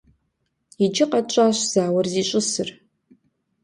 Иджы къэтщӀащ зауэр зищӀысыр.